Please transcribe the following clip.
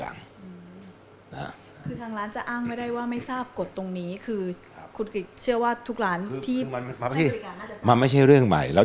ใน